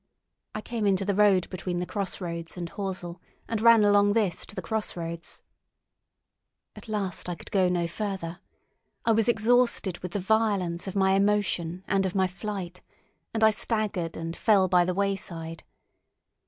I came into the road between the crossroads and Horsell, and ran along this to the crossroads. At last I could go no further; I was exhausted with the violence of my emotion and of my flight, and I staggered and fell by the wayside.